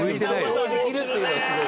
長考できるっていうのがすごい。